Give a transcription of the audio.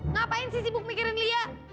ngapain sih sibuk mikirin lia